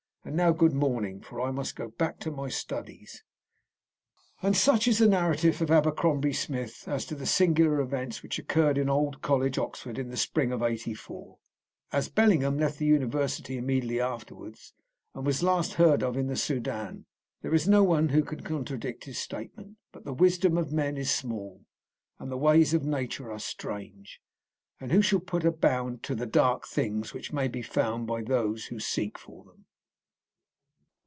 And now good morning, for I must go back to my studies." And such is the narrative of Abercrombie Smith as to the singular events which occurred in Old College, Oxford, in the spring of '84. As Bellingham left the university immediately afterwards, and was last heard of in the Soudan, there is no one who can contradict his statement. But the wisdom of men is small, and the ways of nature are strange, and who shall put a bound to the dark things which may be found by those who seek for them?